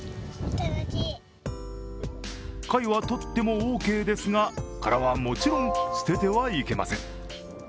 貝は取ってもオーケーですが、殻はもちろん捨ててはいけません。